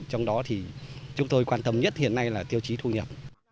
trong đó thì chúng tôi quan tâm nhất hiện nay là tiêu chí thu nhập